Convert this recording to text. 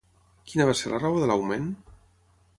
Quina va ser la raó de l'augment?